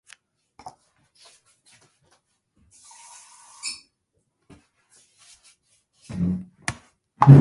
Among the students he taught there was the countertenor Peter Giles.